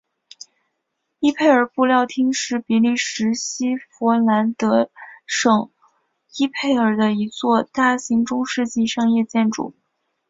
伊佩尔布料厅是比利时西佛兰德省伊佩尔的一座大型中世纪商业建筑。